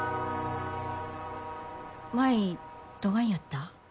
舞どがんやった？